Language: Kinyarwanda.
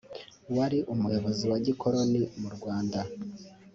wari umuyobozi wa gikoloni mu Rwanda